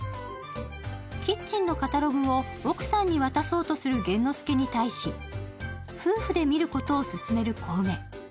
キッチンのカタログを奥さんに渡そうとする玄之介に対し、夫婦で見ることを勧める小梅。